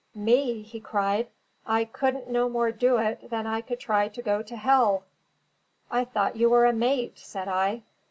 "Me!" he cried. "I couldn't no more do it than I could try to go to hell!" "I thought you were a mate?" said I.